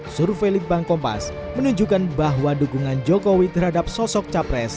survei litbang kompas menunjukkan bahwa dukungan jokowi terhadap sosok capres